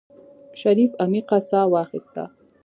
شريف عميقه سا واخيسته.